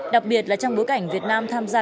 đặc biệt là trong bối cảnh việt nam tham gia